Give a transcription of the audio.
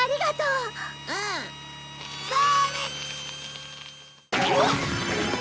うわっ！